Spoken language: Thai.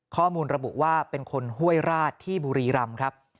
ข้อมูลระบุว่าเป็นคนห้วยราชที่บุรีรำครับ